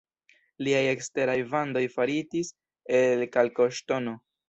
Liaj eksteraj vandoj faritis el kalkoŝtono.